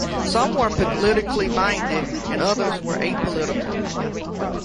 Some were politically minded, and others were apolitical.